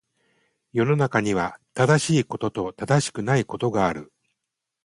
世の中には、正しいことと正しくないことがある。